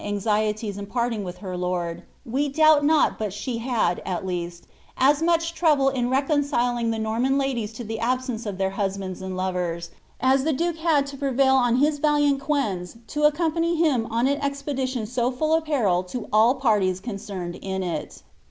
anxieties in parting with her lord, we doubt not but she had, ttt least, na nucli trouble in reconciling tlie Norman ladies to tlie absence of ib«ir .huabandij and lovers,' as ibe duke bad to jirevoil on these his valiant gaeiu to accompany him on an expedition so full of peril to all putin concerned in it.